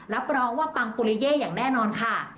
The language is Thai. รับรองว่าปังปุริเย่อย่างแน่นอนค่ะ